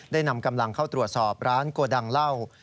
นำกำลังเข้าตรวจสอบร้านโกดังเหล้า